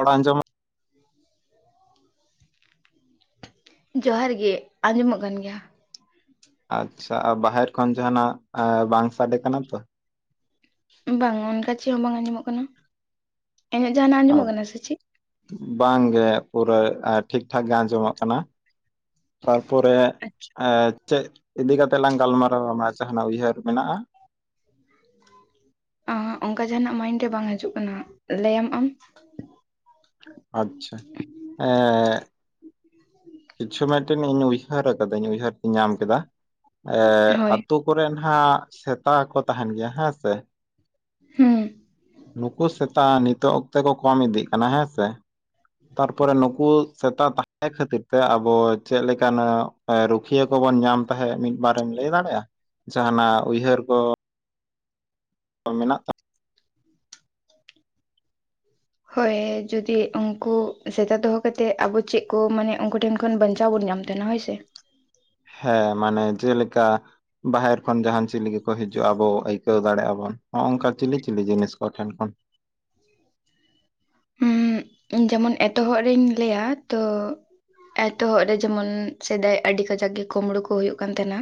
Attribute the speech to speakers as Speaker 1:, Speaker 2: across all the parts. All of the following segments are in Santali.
Speaker 1: ᱨᱚᱲ ᱟᱸᱡᱚᱢ
Speaker 2: [inaudible] ᱡᱚᱦᱟᱨ ᱜᱮ ᱟᱸᱡᱚᱢᱚᱜ ᱠᱟᱱ ᱜᱮᱭᱟ ᱾
Speaker 1: ᱟᱪᱪᱷᱟ ᱵᱟᱦᱮᱨ ᱠᱷᱚᱱ ᱡᱟᱦᱟᱸᱱᱟᱜ ᱵᱟᱝ ᱥᱟᱰᱮ ᱠᱟᱱᱟ ᱛᱚ?
Speaker 2: ᱵᱟᱝ ᱚᱱᱠᱟ ᱪᱮᱫ ᱦᱚᱸ ᱵᱟᱝ ᱟᱸᱡᱚᱢᱚᱜ ᱠᱟᱱᱟ ᱾ ᱤᱧᱟᱹᱜ ᱡᱟᱦᱟᱱᱟᱜ ᱟᱸᱡᱚᱢᱚᱜ ᱠᱟᱱᱟ ᱥᱮ ᱪᱮᱫ?
Speaker 1: ᱵᱟᱝ ᱜᱮ ᱯᱩᱨᱟᱹ ᱴᱷᱤᱠ ᱴᱷᱟᱠ ᱜᱮ ᱟᱸᱡᱚᱢᱚᱜ ᱠᱟᱱᱟ ᱾ ᱛᱟᱨᱯᱚᱨᱮ
Speaker 2: ᱟᱪᱪᱷᱟ
Speaker 1: ᱪᱮᱫ ᱤᱫᱤ ᱠᱟᱛᱮᱜ ᱞᱟᱝ ᱜᱟᱞᱢᱟᱨᱟᱣᱟ ᱟᱢᱟ ᱡᱟᱦᱟᱸᱱᱟᱜ ᱩᱭᱦᱟᱹᱨ ᱢᱮᱱᱟᱜᱼᱟ?
Speaker 2: ᱚᱱᱠᱟ ᱡᱟᱦᱟᱱᱟᱜ ᱢᱟᱭᱤᱰ ᱨᱮ ᱵᱟᱝ ᱦᱤᱡᱩᱜ ᱠᱟᱱᱟ ᱞᱟᱹᱭᱟᱢ ᱟᱢ ᱾
Speaker 1: ᱟᱪᱪᱷᱟ ᱮᱻ ᱠᱤᱪᱷᱩ ᱢᱤᱫᱴᱮᱱ ᱤᱧ ᱩᱭᱦᱟᱹᱨ ᱟᱠᱟᱫᱟᱹᱧ ᱩᱭᱦᱟᱹᱨ ᱛᱮᱧ ᱧᱟᱢ ᱠᱮᱫᱟ
Speaker 2: ᱦᱳᱭ
Speaker 1: ᱟᱛᱩ ᱠᱚᱨᱮ ᱦᱟᱜ ᱥᱮᱛᱟ ᱠᱚ ᱛᱟᱦᱮᱱ ᱜᱮᱭᱟ ᱦᱮᱸ ᱥᱮ
Speaker 2: ᱦᱩᱸ
Speaker 1: ᱾ ᱱᱩᱠᱩ ᱥᱮᱛᱟ ᱱᱤᱛᱳᱜ ᱚᱠᱛᱮ ᱠᱚ ᱠᱚᱢ ᱤᱫᱤᱜ ᱠᱟᱱᱟ ᱦᱮᱸᱥᱮ ᱾ ᱛᱟᱨᱯᱚᱨᱮ ᱱᱩᱠᱩ ᱥᱮᱛᱟ ᱛᱟᱦᱮᱸ ᱠᱷᱟᱹᱛᱤᱨ ᱛᱮ ᱟᱵᱚ ᱪᱮᱫ ᱞᱮᱠᱱᱟᱜ ᱨᱩᱠᱷᱤᱭᱟᱹ ᱠᱚᱵᱚᱱ ᱧᱟᱢ ᱛᱟᱦᱮᱸᱫ ᱢᱤᱫ ᱵᱟᱨᱮᱢ ᱞᱟᱹᱭ ᱫᱟᱲᱮᱭᱟᱜᱼᱟ? ᱡᱟᱦᱱᱟᱜ ᱩᱭᱦᱟᱹᱨ ᱠᱚ ᱢᱮᱱᱟᱜ ᱛᱟᱠᱚᱱᱟ
Speaker 2: ᱦᱳᱭ ᱡᱩᱫᱤ ᱩᱱᱠᱩ ᱥᱮᱛᱟ ᱫᱚᱦᱚ ᱠᱟᱛᱮᱫ ᱟᱵᱚ ᱪᱮᱫ ᱠᱚ ᱢᱟᱱᱮ ᱩᱱᱠᱩ ᱴᱷᱮᱱ ᱠᱷᱚᱱ ᱵᱟᱧᱪᱟᱣ ᱵᱚᱱ ᱧᱟᱢ ᱫᱟ ᱾ ᱫᱱᱟ ᱥᱮ
Speaker 1: ᱦᱮᱸ ᱢᱟᱱᱮ ᱡᱮᱞᱮᱠᱟ ᱵᱟᱦᱮᱨ ᱠᱷᱚᱱ ᱡᱟᱦᱟᱱ ᱪᱮᱞᱤ ᱦᱤᱡᱩᱜᱼᱟ ᱟᱵᱚ ᱟᱹᱭᱠᱟᱹᱣ ᱫᱟᱲᱮᱜ ᱟᱵᱚᱱ ᱱᱚᱜᱼ ᱱᱚᱝᱠᱟ ᱪᱤᱞᱤ ᱪᱤᱞᱤ ᱡᱤᱱᱤᱥ ᱠᱚ ᱴᱷᱮᱱ ᱠᱷᱚᱱ
Speaker 2: ᱩᱸ ᱤᱧ ᱡᱮᱢᱚᱱ ᱮᱛᱚᱦᱚᱵ ᱨᱤᱧ ᱞᱟᱹᱭᱟ ᱛᱚ ᱮᱛᱚᱦᱚᱵ ᱨᱮ ᱡᱮᱢᱚᱱ ᱥᱮᱫᱟᱭ ᱟᱹᱰᱤ ᱠᱟᱡᱟᱠ ᱜᱮ ᱠᱩᱢᱲᱩ ᱠᱚ ᱦᱩᱭᱩᱜ ᱠᱟᱱ ᱛᱟᱦᱮᱱᱟ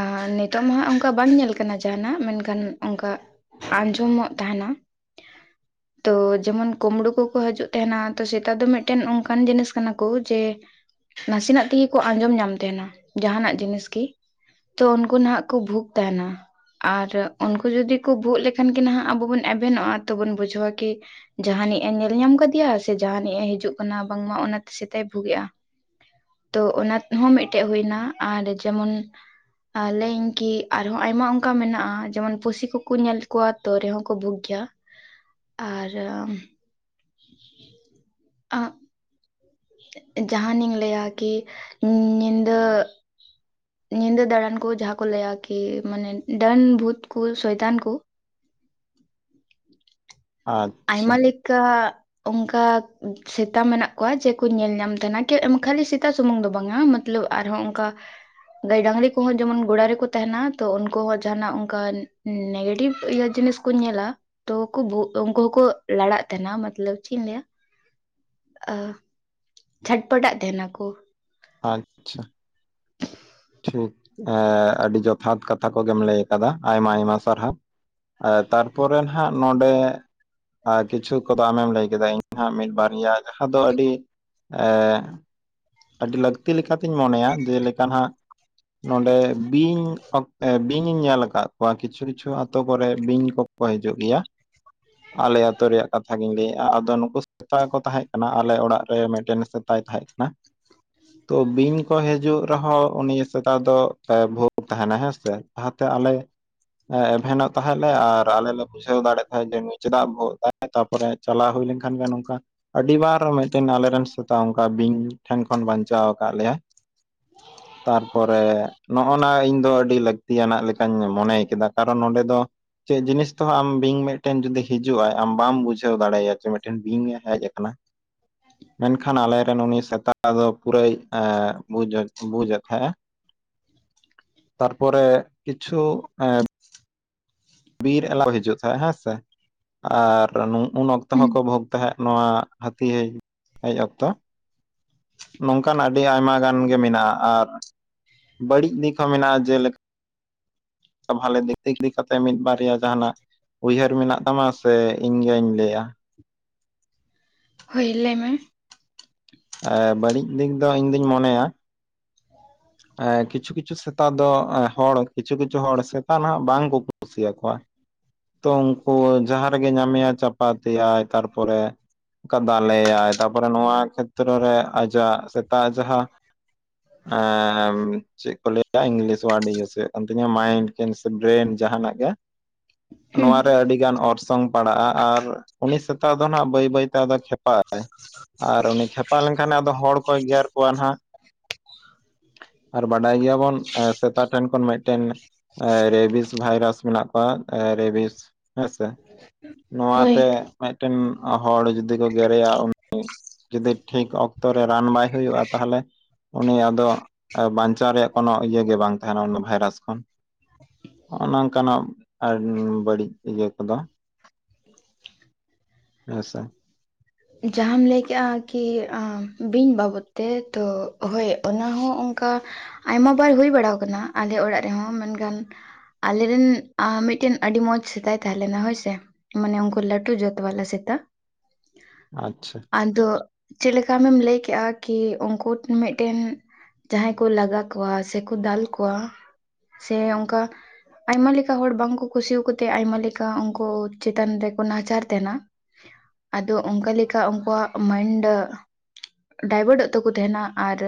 Speaker 2: ᱟᱨ ᱱᱤᱛᱚᱜ ᱢᱟ ᱦᱟᱸᱜ ᱚᱱᱠᱟ ᱵᱟᱝ ᱧᱮᱞ ᱠᱟᱱᱟ ᱡᱟᱦᱟᱱᱟᱜ ᱢᱮᱱᱠᱷᱟᱱ ᱚᱱᱠᱟ ᱟᱸᱡᱚᱢᱚᱜ ᱛᱟᱦᱮᱱᱟ ᱛᱚ ᱡᱮᱢᱚᱱ ᱠᱩᱢᱵᱲᱩ ᱠᱚᱠᱚ ᱦᱤᱡᱩᱜ ᱛᱟᱦᱮᱱᱟ ᱛᱚ ᱥᱮᱛᱟ ᱫᱚ ᱢᱤᱫᱴᱮᱱ ᱚᱱᱠᱟᱱ ᱡᱤᱱᱤᱥ ᱠᱟᱱᱟ ᱠᱚ ᱡᱮ ᱱᱟᱥᱮᱱᱟᱜ ᱛᱤᱜᱤ ᱠᱚ ᱟᱸᱡᱚᱢ ᱧᱟᱢ ᱛᱟᱦᱮᱱᱟ ᱡᱟᱦᱟᱱᱟᱜ ᱡᱤᱱᱤᱥ ᱜᱤ ᱛᱚ ᱩᱱᱠᱩ ᱱᱟᱦᱟᱜ ᱠᱚ ᱵᱷᱩᱜ ᱛᱟᱦᱮᱱᱟ ᱟᱨ ᱩᱱᱠᱩ ᱡᱩᱫᱤ ᱠᱚ ᱵᱷᱩᱜ ᱞᱮᱠᱷᱟᱱ ᱜᱮ ᱱᱟᱦᱟᱸᱟᱜ ᱟᱵᱚ ᱵᱚᱱ ᱮᱵᱷᱮᱱᱚᱜᱼᱟ ᱛᱚᱵᱚᱱ ᱵᱩᱡᱷᱟᱹᱣᱟ ᱠᱤ ᱡᱟᱦᱟᱱᱤᱡ ᱮ ᱧᱮᱞ ᱧᱟᱢ ᱟᱠᱟᱫᱮᱭᱟ ᱥᱮ ᱡᱟᱦᱟᱱᱤᱡ ᱮ ᱦᱤᱡᱩᱜ ᱠᱟᱱᱟ ᱵᱟᱝᱢᱟ ᱚᱱᱟᱛᱮ ᱥᱮᱛᱟᱭ ᱵᱷᱩᱜᱼᱟ ᱛᱚ ᱚᱱᱟ ᱛᱮ ᱦᱚ ᱢᱤᱫᱴᱮᱱ ᱦᱩᱭ ᱮᱱᱟ ᱟᱨ ᱡᱮᱢᱚᱱ ᱟᱦᱞᱮᱧ ᱠᱤ ᱟᱨᱦᱚᱸ ᱟᱭᱢᱟ ᱚᱱᱠᱟ ᱢᱮᱱᱟᱜᱼᱟ ᱡᱮᱢᱚᱱ ᱯᱩᱥᱤ ᱠᱚᱠᱚ ᱧᱮᱞ ᱠᱚᱣᱟ ᱛᱚ ᱨᱮᱦᱚᱸ ᱠᱚ ᱵᱷᱩᱜ ᱜᱮᱭᱟ ᱟᱨ ᱟ ᱡᱟᱦᱟᱱᱤᱧ ᱞᱟᱹᱭᱟ ᱜᱤ ᱧᱤᱫᱟᱹ ᱧᱤᱫᱟᱹ ᱫᱟᱲᱟᱱ ᱠᱚ ᱡᱟᱦᱟᱸ ᱠᱚ ᱞᱟᱹᱭᱟ ᱠᱤ ᱢᱟᱱᱮ ᱰᱟᱹᱱ ᱵᱷᱩᱛ ᱠᱚ ᱥᱚᱭᱛᱟᱱ ᱠᱚ
Speaker 1: ᱟᱪᱪᱷᱟ
Speaker 2: ᱟᱭᱢᱟ ᱞᱮᱠᱟ ᱚᱱᱠᱟ ᱥᱮᱛᱟ ᱢᱮᱱᱟᱜ ᱠᱚᱣᱟ ᱡᱮᱠᱚ ᱧᱮᱞ ᱧᱟᱢ ᱛᱟᱦᱮᱱᱟ ᱠᱤ ᱠᱷᱟᱹᱞᱤ ᱥᱮᱛᱟ ᱥᱩᱢᱩᱝ ᱫᱚ ᱵᱟᱝᱟ [unintelligible] ᱟᱨᱦᱚᱸ ᱚᱝᱠᱟ ᱜᱟᱹᱭ ᱰᱟᱝᱨᱤ ᱠᱚᱦᱚᱸ ᱡᱮᱢᱚᱱ ᱜᱚᱲᱟ ᱨᱮᱠᱚ ᱛᱟᱦᱮᱱᱟ ᱛᱚ ᱩᱱᱠᱩ ᱦᱚᱸ ᱡᱟᱦᱟᱱᱟᱜ ᱚᱱᱠᱟ ᱱᱮᱜᱮᱴᱤᱵᱷ ᱤᱭᱟᱹ ᱡᱤᱱᱤᱥ ᱠᱚ ᱧᱮᱞᱟ ᱛᱚ ᱠᱚ ᱵᱩᱜᱚᱜ ᱛᱚ ᱩᱱᱠᱩ ᱦᱚᱸᱠᱚ ᱞᱟᱲᱟᱜ ᱛᱟᱦᱮᱱᱟ ᱢᱟᱛᱞᱚᱵ ᱪᱤᱫ ᱤᱧ ᱞᱟᱹᱭᱟ ᱡᱷᱟᱴᱯᱟᱴᱟᱜ ᱛᱟᱦᱮᱱᱟᱠᱚ
Speaker 1: ᱟᱪᱪᱷᱟ ᱴᱷᱤᱠ ᱟᱹᱰᱤ ᱡᱚᱛᱷᱟᱛ ᱠᱟᱛᱷᱟ ᱠᱚᱜᱮᱢ ᱞᱟᱹᱭ ᱠᱟᱫᱟ ᱟᱭᱢᱟ ᱟᱭᱢᱟ ᱥᱟᱨᱦᱟᱣ ᱛᱟᱨᱯᱚᱨᱮ ᱦᱟᱸᱜ ᱱᱚᱰᱮ ᱠᱤᱪᱷᱩ ᱠᱚᱫᱚ ᱟᱢᱮᱢ ᱞᱟᱹᱭ ᱠᱮᱫᱟ ᱦᱟᱸ ᱢᱤᱫ ᱵᱟᱨᱭᱟ ᱡᱟᱦᱟᱸ ᱫᱚ ᱟᱹᱰᱤ ᱮ ᱟᱹᱰᱤ ᱞᱟᱹᱠᱛᱤ ᱞᱮᱠᱟᱛᱤᱧ ᱢᱚᱱᱮᱭᱟ ᱡᱮᱞᱮᱠᱟ ᱞᱮᱠᱟ ᱦᱟᱸᱜ ᱱᱚᱰᱮ ᱵᱤᱧ ᱚᱠ ᱮᱸ ᱵᱤᱧᱤᱧ ᱧᱮᱞ ᱟᱠᱟᱫ ᱠᱚᱣᱟ ᱠᱤᱪᱷᱩ ᱠᱤᱪᱷᱩ ᱟᱛᱳ ᱠᱚᱨᱮ ᱵᱤᱧ ᱠᱚᱠᱚ ᱦᱤᱡᱩᱜ ᱜᱮᱭᱟ ᱟᱞᱮ ᱟᱹᱛᱩ ᱨᱮᱭᱟᱜ ᱠᱟᱛᱷᱟ ᱜᱤᱧ ᱞᱟᱹᱭᱮᱫᱼᱟ ᱟᱫᱚ ᱱᱩᱠᱩ ᱥᱮᱛᱟ ᱠᱚ ᱛᱟᱦᱮᱸ ᱠᱟᱱᱟ ᱟᱞᱮ ᱚᱲᱟᱜ ᱨᱮ ᱢᱤᱫᱴᱮᱱ ᱥᱮᱛᱟᱭ ᱛᱟᱦᱮᱸ ᱠᱟᱱᱟ ᱛᱚ ᱵᱤᱧ ᱠᱚ ᱦᱤᱡᱩᱜ ᱨᱮᱦᱚᱸ ᱩᱱᱤ ᱥᱮᱛᱟ ᱫᱚ ᱵᱷᱩᱜ ᱛᱟᱦᱮᱱᱟ ᱦᱮᱸᱥᱮ ᱡᱟᱦᱟᱸᱛᱮ ᱟᱞᱮ ᱦᱮᱸᱼ ᱮᱵᱷᱮᱱᱚᱜ ᱛᱟᱦᱮᱸᱞᱮ ᱟᱨ ᱟᱞᱮ ᱞᱮ ᱵᱩᱡᱷᱟᱹᱣ ᱫᱟᱲᱮᱭᱟᱜ ᱛᱟᱦᱮᱸᱫ ᱡᱮ ᱱᱩᱭ ᱪᱮᱫᱟᱜ ᱵᱷᱩᱜᱼᱟ ᱮᱫᱟᱭ ᱛᱟᱯᱚᱨᱮ ᱪᱟᱞᱟᱣ ᱦᱩᱭ ᱞᱮᱱᱠᱷᱟᱱ ᱜᱮ ᱱᱚᱝᱠᱟ ᱟᱹᱰᱤᱵᱟᱨ ᱢᱤᱫ ᱴᱮᱱ ᱟᱞᱮᱨᱮᱱ ᱥᱮᱛᱟ ᱚᱱᱠᱟ ᱵᱤᱧ ᱴᱷᱮᱱ ᱠᱷᱚᱱ ᱵᱟᱧᱪᱟᱣ ᱠᱟᱜ ᱞᱮᱼᱭᱟᱭ ᱛᱟᱨᱯᱚᱨᱮ ᱱᱚᱜ ᱱᱚᱣᱟ ᱤᱧ ᱫᱚ ᱟᱹᱰᱤ ᱞᱟᱹᱠᱛᱤᱭᱟᱱᱟᱜ ᱞᱮᱠᱟᱧ ᱢᱚᱱᱮ ᱠᱮᱫᱟ ᱠᱟᱨᱚᱱ ᱱᱚᱰᱮ ᱫᱚ, ᱪᱮᱫ ᱡᱤᱱᱤᱥ ᱛᱮᱦᱚᱸ ᱟᱢ ᱵᱤᱧ ᱢᱤᱫᱴᱮᱱ ᱡᱩᱫᱤ ᱦᱤᱡᱩᱜᱼᱟᱭ ᱟᱢ ᱵᱟᱢ ᱵᱩᱡᱷᱟᱹᱣ ᱫᱟᱲᱮᱭᱟᱭᱟ ᱡᱮ ᱢᱤᱫᱴᱮᱱ ᱵᱤᱧ ᱮ ᱦᱮᱡ ᱟᱠᱟᱱᱟ ᱢᱮᱱ ᱠᱷᱟᱱ ᱟᱞᱮᱨᱮᱱ ᱩᱱᱤ ᱥᱮᱛᱟᱜ ᱛᱟᱫᱚ ᱯᱩᱨᱟᱹᱭ ᱮᱸᱼ ᱵᱩᱡᱮᱫ, ᱵᱩᱡᱮᱫ ᱛᱟᱦᱮᱸᱼ ᱛᱟᱨ ᱯᱚᱨᱮ ᱠᱤᱪᱷᱩ ᱮᱸ ᱵᱤᱨ ᱮᱞᱟᱣᱼᱟ ᱠᱚ ᱦᱤᱡᱩᱜ ᱛᱟᱦᱮᱸᱜ ᱦᱮᱸ ᱥᱮ ᱟᱨ ᱱᱩ ᱩᱱ ᱚᱠᱛᱚ
Speaker 2: ᱦᱩᱸ
Speaker 1: ᱦᱚᱸ ᱠᱚ ᱵᱷᱳᱜᱽ ᱛᱟᱦᱮᱸᱫ ᱱᱚᱣᱟ ᱦᱟᱹᱛᱤ ᱦᱮᱡ ᱦᱮᱡ ᱚᱠᱛᱚ, ᱱᱚᱝᱠᱟᱱ ᱟᱹᱰᱤ ᱟᱭᱢᱟ ᱜᱟᱱ ᱠᱷᱚᱱ ᱢᱮᱱᱟᱜᱼᱟ ᱟᱨ ᱵᱟᱹᱲᱤᱡ ᱫᱤᱠ ᱦᱚᱸ ᱢᱮᱱᱟᱜᱼᱟ ᱡᱮᱼᱞᱮᱠ [unintelligible] ᱛᱮ ᱢᱤᱫ ᱵᱟᱨᱭᱟ ᱡᱟᱦᱟᱱᱟᱜ ᱩᱭᱦᱟᱹᱨ ᱢᱮᱱᱟᱜ ᱛᱟᱢᱟ ᱥᱮ ᱤᱧᱜᱤᱧ ᱞᱟᱹᱭᱟ
Speaker 2: ᱦᱳᱭ ᱞᱟᱹᱭ ᱢᱮ
Speaker 1: ᱮ ᱵᱟᱹᱲᱤᱡ ᱫᱤᱠ ᱫᱚ ᱤᱧ ᱫᱚᱧ ᱢᱚᱱᱮᱭᱟ ᱮᱸ ᱠᱤᱪᱷᱩ ᱠᱤᱪᱷᱩ ᱥᱮᱛᱟ ᱫᱚ ᱮᱸᱦ ᱦᱚᱲ ᱠᱤᱪᱷᱩ, ᱠᱤᱪᱷᱩ ᱦᱚᱲ ᱥᱮᱛᱟ ᱱᱟᱦᱟᱜ ᱵᱟᱝ ᱠᱚ ᱠᱩᱥᱤᱭᱟᱠᱚᱣᱟ ᱛᱚ ᱩᱱᱠᱩ ᱡᱟᱦᱟᱸ ᱨᱮᱜᱮ ᱧᱟᱢᱮᱭᱟᱭ ᱪᱟᱯᱟᱛᱮᱭᱟᱭ ᱛᱟᱨ ᱯᱚᱨᱮ ᱠᱟᱫᱟᱞᱮᱟᱭ ᱛᱟᱨᱯᱚᱨᱮ ᱱᱚᱣᱟ ᱠᱷᱮᱛᱨᱚ ᱨᱮ ᱟᱡᱟᱜ ᱥᱮᱛᱟᱜ ᱡᱟᱦᱟᱸ ᱦᱮᱸ ᱦᱮᱸ ᱩᱹ ᱪᱮᱫ ᱠᱚ ᱞᱟᱹᱭᱟ ᱤᱝᱞᱤᱥ ᱚᱣᱟᱨᱰ ᱤᱭᱩᱥ ᱦᱩᱭᱩᱜ ᱠᱟᱱ ᱛᱤᱧᱟᱹ ᱢᱟᱭᱤᱱᱰ ᱠᱮᱱ ᱥᱮ ᱵᱨᱮᱱ ᱡᱟᱦᱟᱱᱟᱜ ᱜᱮ
Speaker 2: ᱦᱩᱸ
Speaker 1: ᱱᱚᱣᱟ ᱨᱮ ᱟᱹᱰᱤ ᱜᱟᱱ ᱚᱨᱥᱚᱝ ᱯᱟᱲᱟᱜᱼᱟ ᱟᱨ ᱩᱱᱤ ᱥᱮᱛᱟᱜ ᱫᱚ ᱦᱟᱜ ᱵᱟᱹᱭ ᱵᱟᱹᱭᱛᱮ ᱟᱫᱚ ᱠᱷᱮᱯᱟᱜᱟᱭ ᱟᱨ ᱩᱱᱤ ᱠᱷᱮᱯᱟ ᱞᱮᱱᱠᱷᱟᱱᱮ ᱟᱫᱚ ᱦᱚᱲ ᱠᱚᱭ ᱜᱮᱨ ᱠᱚᱣᱟ ᱦᱟᱱᱟᱜ ᱟᱨ ᱵᱟᱰᱟᱭ ᱜᱮᱭᱟᱵᱚᱱ ᱥᱮᱛᱟᱜ ᱴᱷᱮᱱ ᱠᱷᱚᱱ ᱢᱤᱫ ᱴᱮᱱ ᱨᱮᱵᱤᱥ ᱵᱷᱟᱭᱨᱟᱥ ᱢᱮᱱᱟᱜ ᱠᱚᱣᱟ, ᱨᱮᱵᱤᱥ ᱦᱮᱸᱥᱮ
Speaker 2: ᱦᱳᱭ
Speaker 1: ᱱᱚᱣᱟᱛᱮ ᱢᱤᱫ ᱴᱮᱱ ᱦᱚᱲ ᱡᱩᱫᱤ ᱠᱚ ᱜᱮᱨᱮᱭᱟ ᱩᱱᱤ ᱡᱩᱫᱤ ᱴᱷᱤᱠ ᱚᱠᱛᱚ ᱨᱮ ᱨᱟᱱ ᱵᱟᱭ ᱦᱩᱭᱩᱜᱼᱟ ᱛᱟᱦᱚᱞᱮ ᱩᱱᱤ ᱫᱚᱜ ᱵᱟᱧᱪᱟᱣ ᱨᱮᱭᱟᱜ ᱠᱳᱱᱚ ᱤᱭᱟᱹ ᱜᱮ ᱵᱟᱝ ᱛᱟᱦᱮᱱᱟ ᱚᱱᱟ ᱵᱷᱟᱭᱨᱟᱥ ᱠᱷᱚᱱ ᱦᱚᱸᱜ ᱱᱚᱝᱠᱟᱱᱟᱜ ᱟᱨ ᱵᱟᱹᱲᱤᱡ ᱤᱭᱟᱹ ᱠᱚ ᱫᱚ ᱦᱮᱸᱥᱮ
Speaker 2: ᱡᱟᱦᱟᱸᱢ ᱞᱟᱹᱭ ᱠᱮᱫᱮᱜᱼᱟ ᱠᱤ ᱵᱤᱧ ᱵᱟᱵᱚᱫ ᱛᱮ ᱛᱚ ᱦᱳᱭ ᱚᱱᱟ ᱦᱚᱸ ᱚᱱᱠᱟ ᱟᱭᱢᱟ ᱵᱟᱨ ᱦᱩᱭ ᱵᱟᱲᱟ ᱠᱟᱱᱟ ᱟᱞᱮ ᱚᱲᱟᱜ ᱨᱮ ᱦᱚᱸ ᱢᱮᱱᱠᱷᱟᱱ ᱟᱞᱮ ᱨᱮᱱ ᱢᱤᱫᱴᱮᱱ ᱟᱹᱰᱤ ᱢᱚᱸᱡᱽ ᱥᱮᱛᱟᱭ ᱛᱟᱦᱮᱸ ᱞᱮᱱᱟ ᱦᱳᱭ ᱥᱮ ᱢᱟᱱᱮ ᱚᱝᱠᱩ ᱞᱟᱺᱴᱩ ᱡᱟᱹᱛ ᱵᱟᱞᱟ ᱥᱮᱛᱟ᱾
Speaker 1: ᱟᱪᱪᱷᱟ
Speaker 2: ᱟᱫᱚ ᱪᱮᱫ ᱞᱮᱠᱟ ᱟᱢᱮᱢ ᱞᱟᱹᱭ ᱠᱮᱫᱼᱟ ᱠᱤ ᱩᱱᱠᱩ ᱢᱤᱫ ᱴᱮᱱ ᱡᱟᱦᱟᱸᱭ ᱠᱚ ᱞᱟᱜᱟ ᱠᱚᱣᱟ ᱥᱮ ᱠᱚ ᱫᱟᱞ ᱠᱚᱣᱟ ᱥᱮ ᱚᱱᱠᱟ ᱟᱭᱢᱟ ᱞᱮᱠᱟ ᱦᱚᱲ ᱵᱟᱝ ᱠᱚ ᱠᱩᱥᱤ ᱟᱠᱛᱮ ᱟᱭᱢᱟ ᱞᱮᱠᱟ ᱩᱱᱠᱩ ᱪᱮᱛᱟᱱ ᱨᱮ ᱠᱚ ᱱᱟᱦᱟᱪᱟᱨ ᱛᱟᱦᱮᱱᱟ ᱟᱫᱚ ᱚᱱᱠᱟ ᱞᱮᱠᱟ ᱩᱱᱠᱩᱣᱟᱜ ᱢᱟᱹᱭᱮᱱᱰ ᱰᱟᱭᱵᱷᱟᱨᱴᱚᱜ ᱛᱟᱠᱚ ᱛᱟᱦᱮᱱᱟ ᱟᱨ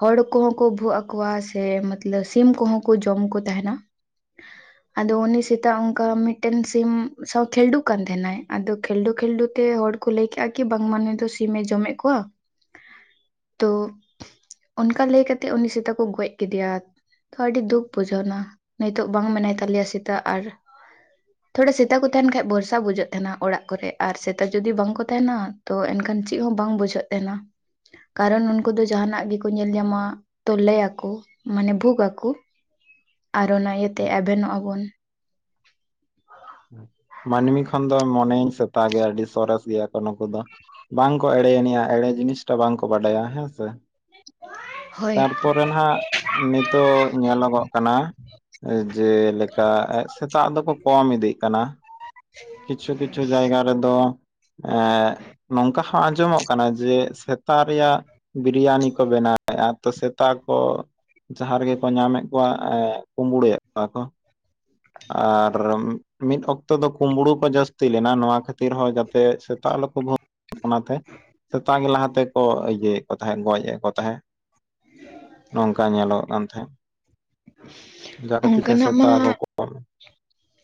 Speaker 2: ᱦᱚᱲ ᱠᱚᱦᱚᱸ ᱠᱚ ᱵᱷᱩᱜ ᱟᱠᱚᱣᱟ ᱥᱮ ᱢᱚᱛᱞᱚᱵ ᱥᱤᱢ ᱠᱚᱦᱚᱸ ᱠᱚ ᱡᱚᱢ ᱠᱚ ᱛᱟᱦᱮᱱᱟ᱾
Speaker 1: [inaudible]
Speaker 2: ᱟᱫᱚ ᱩᱱᱤ ᱥᱮᱛᱟ ᱚᱱᱠᱟ ᱢᱤᱫᱴᱮᱱ ᱥᱤᱢ ᱥᱟᱶ ᱠᱷᱤᱞᱰᱩ ᱠᱟᱱ ᱛᱟᱦᱮᱱᱟᱭ ᱟᱫᱚ ᱠᱷᱤᱞᱰᱩ ᱠᱷᱤᱞᱰᱩ ᱛᱮ ᱦᱚᱲ ᱠᱚ ᱞᱟᱹᱭ ᱠᱮᱫᱼᱟ ᱠᱤ ᱵᱟᱝᱢᱟ ᱱᱩᱭ ᱫᱚ ᱥᱤᱢ ᱢᱮ ᱡᱚᱢᱮᱫ ᱠᱚᱣᱟ ᱛᱚ ᱚᱱᱠᱟ ᱞᱟᱹᱭ ᱠᱟᱛᱮᱜ ᱩᱱᱤ ᱥᱮᱛᱟ ᱠᱚ ᱜᱚᱡ ᱠᱮᱫᱮᱭᱟ ᱛᱚ ᱟᱹᱰᱤ ᱫᱩᱠ ᱵᱩᱡᱷᱟᱹᱣ ᱱᱟ ᱱᱤᱛᱚᱜ ᱵᱟᱝ ᱢᱮᱱᱟᱭ ᱛᱟᱞᱮᱭᱟ ᱥᱮᱛᱟᱜ ᱟᱨ ᱛᱷᱚᱲᱟ ᱥᱮᱛᱟ ᱠᱚ ᱛᱟᱦᱮᱱ ᱠᱷᱟᱱ ᱵᱷᱚᱨᱥᱟ ᱵᱩᱡᱟᱹᱜ ᱛᱟᱦᱮᱱᱟ ᱚᱲᱟᱜ ᱠᱚᱨᱮ ᱟᱨ ᱥᱮᱛᱟ ᱡᱩᱫᱤ ᱵᱟᱝ ᱛᱟᱦᱮᱱᱟ ᱛᱚ ᱮᱱᱠᱷᱟᱱ ᱪᱮᱫ ᱦᱚᱸ ᱵᱟᱝ ᱵᱩᱡᱷᱟᱹᱜ ᱛᱟᱦᱮᱱᱟ ᱠᱟᱨᱚᱱ ᱩᱱᱠᱩ ᱫᱚ ᱡᱟᱦᱟᱱᱟᱜ ᱜᱮᱠᱚ ᱧᱮᱞ ᱧᱟᱢᱟ ᱛᱚ ᱞᱮᱭᱟᱠᱚ ᱢᱟᱱᱮ ᱵᱷᱩᱜ ᱟᱠᱚ
Speaker 1: [inaudible]
Speaker 2: ᱟᱨ ᱚᱱᱟ ᱤᱭᱟᱹᱛᱮ ᱮᱵᱷᱮᱱᱚᱜ ᱟᱵᱚᱱ
Speaker 1: ᱢᱟᱹᱱᱢᱤ ᱠᱷᱚᱱ ᱫᱚ ᱢᱚᱱᱮᱧ ᱥᱮᱛᱟᱜ ᱜᱮ ᱟᱹᱰᱤ ᱥᱚᱨᱮᱥ ᱜᱮᱭᱟ ᱠᱚ ᱱᱩᱠᱩ ᱫᱚ᱾ ᱵᱟᱝᱠᱚ ᱮᱲᱮᱭᱱᱤᱡᱼᱟ ᱮᱲᱮ ᱡᱤᱱᱤᱥᱴᱟ ᱵᱟᱝᱠᱚ ᱵᱟᱰᱟᱭᱟ ᱦᱮᱸᱥᱮ
Speaker 2: ᱦᱳᱭ
Speaker 1: ᱯᱚᱨᱮ ᱱᱟᱜ ᱱᱤᱛᱚᱜ ᱧᱮᱞᱚᱜᱚᱜ ᱠᱟᱱᱟ ᱡᱮᱞᱮᱠᱟ ᱥᱮᱛᱟᱜ ᱫᱚᱠᱚ ᱠᱚᱢ ᱤᱫᱤᱜ ᱠᱟᱱᱟ ᱠᱟᱱᱟ ᱠᱤᱪᱷᱩ ᱠᱤᱪᱷᱩ ᱡᱟᱭᱜᱟ ᱨᱮᱫᱚ ᱱᱚᱝᱠᱟ ᱦᱚᱸ ᱟᱸᱡᱚᱢᱚᱜ ᱠᱟᱱᱟ ᱡᱮ ᱥᱮᱛᱟ ᱨᱮᱭᱟᱜ ᱵᱤᱨᱭᱟᱱᱤ ᱠᱚ ᱵᱮᱱᱟᱣᱮᱫᱼᱟ ᱛᱚ ᱥᱮᱛᱟ ᱠᱚ ᱡᱟᱦᱟᱸ ᱨᱮ ᱜᱮ ᱠᱚ ᱧᱟᱢᱮᱫ ᱠᱚᱣᱟ ᱮ ᱠᱩᱵᱲᱩᱭᱮᱫ ᱠᱚᱣᱟ ᱠᱚ ᱟᱨ ᱢᱤᱫ ᱚᱠᱛᱚ ᱫᱚ ᱠᱩᱸᱢᱲᱩ ᱠᱚ ᱡᱟᱹᱥᱛᱤ ᱞᱮᱱᱟ ᱱᱚᱣᱟ ᱠᱷᱟᱹᱛᱤᱨ ᱛᱤ ᱨᱮᱦᱚᱸ ᱡᱟᱛᱮ ᱥᱮᱛᱟᱜ ᱟᱞᱚ ᱠᱚ ᱵᱷᱳᱜ ᱚᱱᱟᱛᱮ ᱥᱮᱛᱟᱜ ᱜᱮ ᱞᱟᱦᱟ ᱛᱮᱠᱚ ᱤᱭᱟᱹ ᱛᱟᱦᱮᱸᱜ ᱜᱚᱡ ᱮᱫ ᱠᱚ ᱛᱟᱦᱮᱸᱜ ᱱᱚᱝᱠᱟ ᱧᱮᱞᱚᱜ ᱠᱟᱱ ᱛᱟᱦᱮᱸᱫ ᱡᱟᱦᱟᱸ ᱠᱷᱟᱹᱛᱤᱨ ᱛᱮ
Speaker 2: ᱚᱱᱠᱟᱱᱟᱜ ᱢᱟ
Speaker 1: ᱥᱮᱛᱟ ᱠᱚ [unintelligible]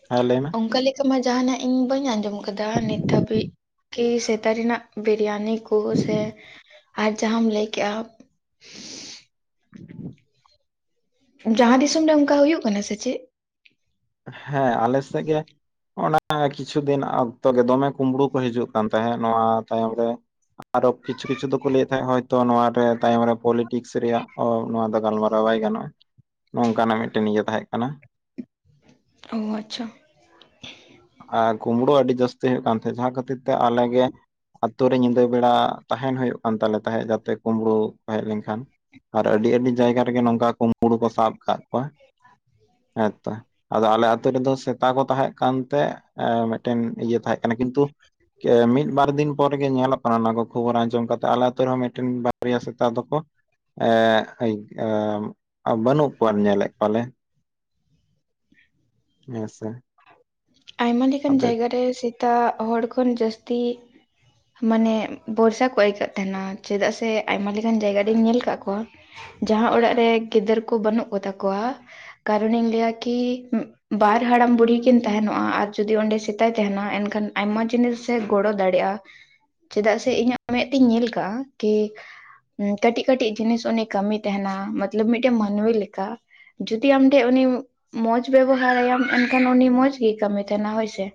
Speaker 1: ᱦᱮ ᱞᱟᱹᱭ ᱢᱮ
Speaker 2: ᱚᱱᱠᱟ ᱞᱮᱠᱟ ᱢᱟ ᱡᱟᱦᱱᱟᱜ ᱤᱧ ᱵᱟᱹᱧ ᱟᱸᱡᱚᱢ ᱟᱠᱟᱫᱟ ᱱᱤᱛ ᱦᱟᱹᱵᱤᱡ ᱠᱤ ᱥᱮᱛᱟ ᱨᱮᱱᱟᱜ ᱵᱤᱨᱤᱭᱟᱱᱤ ᱠᱚ ᱥᱮ ᱟᱨ ᱡᱟᱦᱟᱸᱢ ᱞᱟᱹᱭ ᱠᱮᱜᱼᱟ
Speaker 1: [inaudible]
Speaker 2: ᱡᱟᱦᱟᱸ ᱫᱤᱥᱚᱢ ᱨᱮ ᱚᱱᱠᱟ ᱦᱳᱭᱳᱜ ᱠᱟᱱᱟ ᱥᱮ ᱪᱮᱫ
Speaker 1: ᱦᱮᱸ ᱟᱞᱮ ᱥᱮᱫ ᱜᱮ ᱚᱱᱟ ᱠᱤᱪᱷᱩ ᱫᱤᱱ ᱚᱠᱛᱚ ᱜᱮ ᱫᱚᱢᱮ ᱠᱩᱢᱵᱽᱲᱩ ᱠᱚ ᱦᱤᱡᱩᱜ ᱠᱟᱱ ᱛᱟᱦᱮᱸᱫ ᱱᱚᱣᱟ ᱛᱟᱭᱚᱢ ᱨᱮ ᱟᱨᱚ ᱠᱤᱪᱷᱩ ᱠᱤᱪᱷᱩ ᱫᱚᱠᱚ ᱞᱟᱹᱭᱮᱫ ᱛᱟᱦᱮᱸᱡ ᱡᱚᱛᱚ ᱱᱚᱣᱟ ᱫᱚ ᱛᱟᱭᱚᱢ ᱨᱮ ᱯᱚᱞᱤᱴᱤᱠᱥ ᱨᱮᱭᱟᱜ ᱫᱚ ᱜᱟᱞᱢᱟᱨᱟᱣ ᱵᱟᱭ ᱜᱟᱱᱚᱜᱼᱟ ᱱᱚᱝᱠᱟᱱᱟᱜ ᱢᱤᱫᱴᱮᱱ ᱤᱭᱟᱹ ᱛᱟᱦᱮᱸ ᱠᱟᱱᱟ
Speaker 2: ᱚ ᱟᱪᱪᱷᱟ
Speaker 1: ᱠᱩᱢᱵᱽᱲᱳ ᱟᱹᱰᱤ ᱡᱟᱹᱥᱛᱤ ᱦᱩᱭᱩᱜ ᱠᱟᱱ ᱛᱟᱦᱮᱸᱱ ᱡᱟᱦᱟᱸ ᱠᱷᱟᱹᱛᱤᱨ ᱛᱮ ᱟᱞᱮ ᱜᱮ ᱟᱛᱳ ᱨᱮ ᱧᱤᱫᱟᱹ ᱵᱮᱲᱟ ᱛᱟᱦᱮᱱ ᱦᱩᱭᱩᱜ ᱠᱟᱱ ᱛᱟᱞᱮ ᱛᱟᱦᱮᱸᱫ᱾ᱡᱟᱛᱮ ᱠᱩᱢᱵᱽᱲᱩ ᱠᱚ ᱦᱮᱡ ᱞᱮᱱᱠᱷᱟᱱ ᱟᱨ ᱟᱹᱰᱤ ᱟᱹᱰᱤ ᱡᱟᱭᱜᱟ ᱨᱮᱜᱮ ᱱᱚᱝᱠᱟ ᱠᱚᱢᱩᱲᱩ ᱠᱚ ᱥᱟᱵ ᱟᱠᱟᱫ ᱠᱚᱣᱟ᱾ ᱦᱮᱸ ᱛᱚ᱾ ᱟᱫᱚ ᱟᱞᱮ ᱟᱛᱳ ᱨᱮᱫᱚ ᱥᱮᱛᱟ ᱠᱚ ᱛᱟᱦᱮᱸ ᱠᱟᱱ ᱛᱮ ᱢᱤᱫᱴᱮᱱ ᱤᱭᱟᱹ ᱛᱟᱦᱮᱸ ᱠᱟᱱᱟ ᱠᱤᱱᱛᱩ ᱢᱤᱫ ᱵᱟᱨ ᱫᱤᱱ ᱯᱚᱨ ᱜᱮ ᱧᱮᱞᱚᱜ ᱠᱟᱱᱟ ᱚᱱᱟ ᱠᱚ ᱠᱷᱚᱵᱚᱨ ᱟᱸᱡᱚᱢ ᱠᱟᱛᱮ ᱟᱞᱮ ᱟᱹᱛᱩ ᱨᱮᱦᱚᱸ ᱢᱤᱫᱴᱮᱱ ᱵᱟᱨᱭᱟ ᱥᱮᱛᱟ ᱫᱚᱠᱚ ᱮᱸᱜ ᱵᱟᱹᱱᱩᱜ ᱠᱚᱣᱟ ᱧᱮᱞᱮᱫ ᱠᱚᱣᱟᱞᱮ ᱦᱮᱸ ᱥᱮ
Speaker 2: ᱟᱭᱢᱟ ᱞᱮᱠᱟᱱ ᱡᱟᱭᱜᱟᱨᱮ ᱥᱮᱛᱟᱜ ᱦᱚᱲ ᱠᱷᱚᱱ ᱡᱟᱹᱥᱛᱤ ᱢᱟᱱᱮ ᱵᱚᱨᱥᱟ ᱠᱚ ᱟᱹᱭᱠᱟᱹᱜ ᱛᱟᱦᱮᱱᱟ᱾ ᱪᱮᱫᱟᱜ ᱥᱮ ᱟᱭᱢᱟ ᱞᱮᱠᱟᱱ ᱡᱟᱭᱜᱟ ᱨᱤᱧ ᱧᱮᱞ ᱟᱠᱟᱫ ᱠᱚᱣᱟ ᱡᱟᱦᱟᱸ ᱚᱲᱟᱜ ᱨᱮ ᱜᱤᱫᱟᱹᱨ ᱠᱚ ᱵᱟᱹᱱᱩᱜ ᱠᱚᱛᱟ ᱠᱚᱣᱟ ᱠᱟᱨᱚᱱᱤᱧ ᱞᱮᱭᱟ ᱠᱤ ᱵᱟᱨ ᱦᱟᱲᱟᱢ ᱵᱩᱲᱤ ᱠᱤᱱ ᱛᱟᱦᱮᱱᱚᱜᱼᱟ ᱟᱨ ᱡᱩᱫᱤ ᱚᱸᱰᱮ ᱥᱮᱛᱟᱭ ᱛᱟᱦᱮᱱᱟ ᱮᱱᱠᱷᱟᱱ ᱟᱭᱢᱟ ᱡᱤᱱᱤᱥ ᱮ ᱜᱚᱲᱚ ᱫᱟᱲᱮᱭᱟᱜᱼᱟ᱾ ᱪᱮᱫᱟᱜ ᱥᱮ ᱤᱧᱟᱹᱜ ᱢᱮᱫ ᱛᱤᱧ ᱧᱮᱞ ᱟᱠᱟᱜᱼᱟ ᱠᱤ ᱠᱟᱹᱴᱤᱡ ᱠᱟᱹᱴᱤᱡ ᱡᱤᱱᱤᱥ ᱩᱱᱤ ᱠᱟᱹᱢᱤᱭ ᱛᱟᱦᱮᱱᱟ, ᱢᱚᱛᱞᱚᱵ ᱢᱤᱫᱴᱮᱱ ᱢᱟᱹᱱᱢᱤ ᱞᱮᱠᱟ᱾ ᱡᱩᱫᱤ ᱟᱢ ᱴᱷᱮᱡ ᱩᱱᱤ ᱢᱚᱸᱡᱽ ᱵᱮᱵᱚᱦᱟᱨᱟᱭᱟᱢ ᱮᱱᱠᱷᱟᱱ ᱩᱱᱤ ᱢᱚᱸᱡᱽ ᱜᱮᱭ ᱠᱟᱹᱢᱤ ᱛᱟᱦᱮᱱᱟ ᱦᱳᱭ ᱥᱮ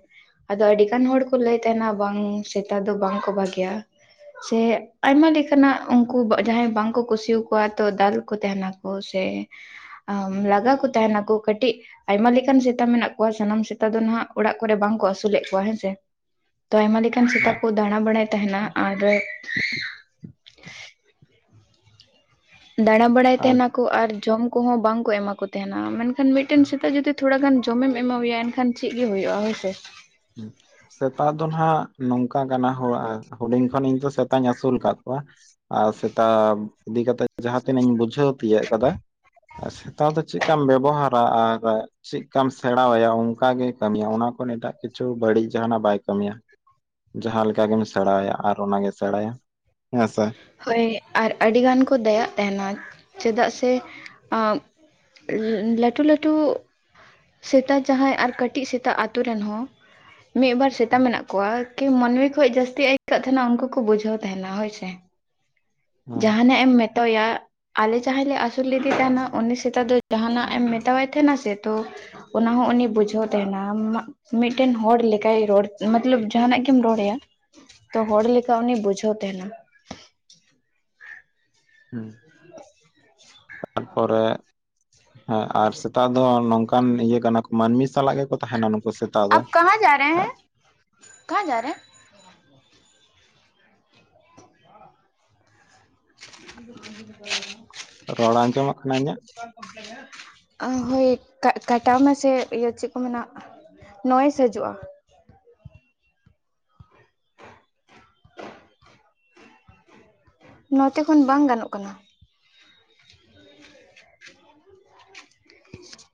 Speaker 2: ᱟᱫᱚ ᱟᱹᱰᱤ ᱜᱟᱱ ᱦᱚᱲ ᱠᱚ ᱞᱟᱹᱭ ᱛᱟᱦᱮᱱᱟ ᱵᱟᱝ ᱥᱮᱛᱟ ᱫᱚ ᱵᱟᱝ ᱠᱚ ᱵᱷᱟᱹᱜᱤᱭᱟ ᱥᱮ ᱟᱭᱢᱟ ᱞᱮᱠᱟᱱᱟᱜ ᱩᱱᱠᱩ ᱡᱟᱦᱟᱸᱭ ᱵᱟᱝ ᱠᱚ ᱠᱩᱥᱤᱭᱟᱠᱚᱣᱟ ᱛᱚ ᱫᱟᱞ ᱠᱚ ᱛᱟᱦᱮᱱᱟ᱾ ᱠᱚ ᱥᱮ ᱞᱟᱜᱟ ᱠᱚ ᱛᱟᱦᱮᱱᱟᱠᱚ ᱠᱟᱹᱴᱤᱡ ᱟᱭᱢᱟ ᱞᱮᱠᱟᱱ ᱥᱮᱛᱟᱜ ᱢᱮᱱᱟᱜ ᱠᱚᱣᱟ ᱥᱟᱱᱟᱢ ᱥᱮᱛᱟ ᱫᱚ ᱱᱟᱦᱟᱜ ᱚᱲᱟᱜ ᱠᱚᱨᱮ ᱵᱟᱝ ᱠᱚ ᱟᱹᱥᱩᱞᱮᱫ ᱠᱚᱣᱟ ᱦᱮᱸᱥᱮ ᱛᱚ ᱟᱭᱢᱟ ᱞᱮᱠᱟᱱ
Speaker 1: ᱦᱮᱸ
Speaker 2: ᱥᱮᱛᱟ ᱠᱚ ᱫᱟᱲᱟ ᱵᱟᱲᱟᱭ ᱛᱟᱦᱮᱱᱟ ᱟᱨ ᱫᱟᱲᱟ ᱵᱟᱲᱟᱭ ᱛᱟᱦᱮ
Speaker 1: ᱟᱪᱪᱷᱟ
Speaker 2: ᱱᱟᱠᱚ ᱟᱨ ᱡᱚᱢ ᱠᱚᱦᱚᱸ ᱵᱟᱝ ᱠᱚ ᱮᱢᱟ ᱠᱚ ᱛᱟᱦᱮᱱᱟ᱾ ᱢᱮᱱᱠᱷᱟᱱ ᱢᱤᱫᱴᱮᱱ ᱥᱮᱛᱟ ᱡᱩᱫᱤ ᱛᱷᱚᱲᱟ ᱜᱟᱱ ᱡᱚᱢᱮᱢ ᱮᱢᱟᱣ ᱟᱭᱟ ᱮᱱᱠᱷᱟᱱ ᱪᱮᱫ ᱜᱮ ᱦᱩᱭᱩᱜ-ᱟ ᱦᱳᱭ ᱥᱮ᱾
Speaker 1: ᱦᱩᱸ᱾ ᱥᱮᱛᱟ ᱫᱚ ᱱᱟᱜ ᱱᱚᱝᱠᱟ ᱠᱟᱱᱟ ᱦᱳ ᱦᱩᱰᱤᱧ ᱠᱷᱚᱱ ᱤᱧ ᱫᱚ ᱥᱮᱛᱟᱧ ᱟᱹᱥᱩᱞ ᱟᱠᱟᱫ ᱠᱚᱣᱟ᱾ ᱟᱨ ᱥᱮᱛᱟ ᱤᱫᱤ ᱠᱟᱛᱮᱜ ᱡᱟᱦᱟ ᱛᱤᱱᱟᱹᱜ ᱤᱧ ᱵᱩᱡᱷᱟᱹᱣ ᱛᱤᱭᱟᱹᱜ ᱠᱟᱫᱟ ᱟᱨ ᱥᱮᱛᱟ ᱫᱚ ᱪᱮᱫᱠᱟᱢ ᱵᱮᱵᱚᱦᱟᱨ ᱟᱨ ᱪᱮᱫᱠᱟᱢ ᱥᱮᱲᱟ ᱟᱭᱟ ᱚᱱᱠᱟ ᱜᱮ ᱠᱟᱹᱢᱤᱭᱟ ᱚᱱᱟ ᱠᱷᱚᱱ ᱮᱴᱟᱜ ᱠᱤᱪᱷᱩ ᱵᱟᱹᱲᱤᱡ ᱡᱟᱦᱟᱱᱟᱜ ᱵᱟᱭ ᱠᱟᱹᱢᱤᱭᱟ᱾ ᱡᱟᱦᱟ ᱞᱮᱠᱟ ᱜᱮᱢ ᱥᱮᱲᱟᱭᱟ ᱟᱨ ᱚᱱᱟᱜᱮ ᱥᱮᱲᱟᱭᱟ ᱦᱮᱸ ᱥᱮ
Speaker 2: ᱦᱳᱭ ᱟᱨ ᱟᱹᱰᱤ ᱜᱟᱱ ᱠᱚ ᱫᱟᱭᱟᱜ ᱛᱟᱦᱮᱱᱟ ᱪᱮᱫᱟᱜ ᱥᱮ [inaudible] ᱞᱟᱹᱴᱩ ᱞᱟᱹᱴᱩ ᱥᱮᱛᱟ ᱡᱟᱦᱟᱸᱭ ᱟᱨ ᱠᱟᱹᱴᱤᱡ ᱥᱮᱛᱟᱜ ᱟᱛᱳ ᱨᱮᱱ ᱦᱚᱸ ᱢᱤᱫᱵᱟᱨ ᱥᱮᱛᱟ ᱢᱮᱱᱟᱜ ᱠᱚᱣᱟ ᱠᱤ ᱢᱟᱹᱱᱢᱤ ᱠᱷᱚᱡ ᱡᱟᱹᱥᱛᱤ ᱟᱹᱭᱠᱟᱹᱜ ᱛᱟᱦᱮᱱᱟ ᱩᱱᱠᱩ ᱠᱚ ᱵᱩᱡᱷᱟᱹᱣ ᱛᱟᱦᱮᱱᱟ ᱦᱳᱭ ᱥᱮ
Speaker 1: ᱦᱩᱸ
Speaker 2: ᱡᱟᱦᱟᱱᱟᱜ ᱮᱢ ᱢᱮᱛᱟᱣᱟ ᱟᱞᱮ ᱡᱟᱦᱟᱭ ᱞᱮ ᱟᱹᱥᱩᱞ ᱞᱮᱫᱮ ᱛᱟᱦᱮᱱᱚᱜ ᱩᱱᱤ ᱥᱮᱛᱟ ᱫᱚ ᱡᱟᱦᱟ ᱮᱢ ᱢᱮᱛᱟᱣᱟᱭ ᱛᱟᱦᱮᱱᱟ ᱥᱮ ᱛᱚ᱾ ᱚᱱᱟ ᱦᱚᱸ ᱩᱱᱤ ᱵᱩᱡᱷᱟᱹᱣ ᱛᱟᱦᱮᱱᱟ ᱟᱢᱟᱜ᱾ ᱢᱤᱫᱴᱮᱱ ᱦᱚᱲ ᱞᱮᱠᱟᱭ ᱨᱚᱲ ᱢᱚᱛᱞᱚᱵ ᱡᱟᱦᱟᱱᱟᱜ ᱜᱮᱢ ᱨᱚᱲ ᱟᱭᱟ᱾ ᱛᱚ ᱦᱚᱲ ᱞᱮᱠᱟ ᱩᱱᱤ ᱵᱩᱡᱷᱟᱹᱣ ᱛᱟᱦᱮᱱᱟ᱾
Speaker 1: ᱦᱮᱸ
Speaker 2: [unintelligible]
Speaker 1: ᱛᱟᱨᱯᱚᱨᱮ [inaudible] ᱦᱮᱸ ᱟᱨ ᱥᱮᱛᱟᱜ ᱫᱚ ᱱᱚᱝᱠᱟᱱ ᱤᱭᱟᱹ ᱠᱟᱱᱟ ᱠᱚ ᱢᱟᱹᱱᱢᱤ ᱥᱟᱞᱟᱜ ᱜᱮᱠᱚ ᱛᱟᱦᱮᱱᱟ ᱱᱩᱠᱩ ᱥᱮᱛᱟ ᱫᱚ [unintelligible]
Speaker 2: ᱠᱟ ᱡᱟᱨᱮ [unintelligible] [unintelligible]
Speaker 1: ᱨᱚᱲ ᱟᱸᱡᱚᱢᱚᱜ ᱠᱟᱱᱟ ᱤᱧᱟᱜ
Speaker 2: ᱦᱳᱭ ᱠᱟ ᱠᱟᱴᱟᱣ ᱢᱮᱥᱮ ᱤᱭᱟᱹ ᱪᱮᱫ ᱠᱚ ᱢᱮᱱᱟ ᱱᱚᱭᱮᱥ ᱦᱤᱡᱩᱜ-ᱟ ᱱᱚᱛᱮ ᱠᱷᱚᱱ ᱵᱟᱝ ᱜᱟᱱᱚᱜ ᱠᱟᱱᱟ [unintelligible]